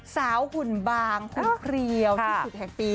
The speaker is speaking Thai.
สาวหุ่นบางหุ่นเพรียวที่สุดในปี